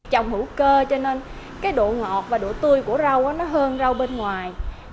trồng hữu cơ cho nên cái độ ngọt và độ tươi của rau nó hơn rau bên ngoài